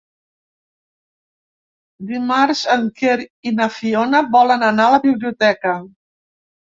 Dimarts en Quer i na Fiona volen anar a la biblioteca.